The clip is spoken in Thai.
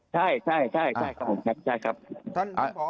ใช่ครับ